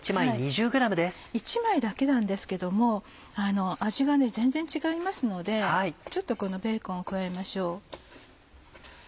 １枚だけなんですけども味が全然違いますのでちょっとこのベーコンを加えましょう。